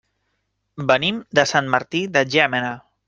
Venim de Sant Martí de Llémena.